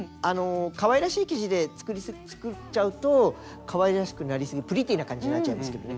かわいらしい生地で作っちゃうとかわいらしくなりすぎるプリティーな感じになっちゃいますけどね。